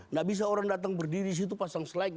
nggak bisa orang datang berdiri situ pasang slide